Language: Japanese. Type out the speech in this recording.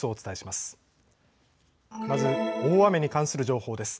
まず大雨に関する情報です。